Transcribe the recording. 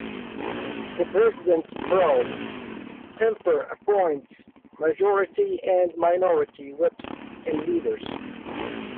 The president pro tempore appoints majority and minority whips and leaders.